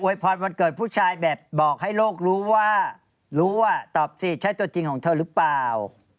พรวันเกิดผู้ชายแบบบอกให้โลกรู้ว่ารู้ว่าตอบสิใช่ตัวจริงของเธอหรือเปล่า